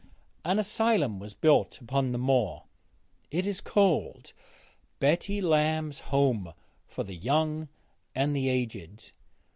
An asylum was built upon the moor; it is called 'Betty Lamb's Home for the Young and the Aged.'